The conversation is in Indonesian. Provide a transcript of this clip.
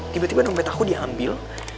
tiba tiba nombet aku diambil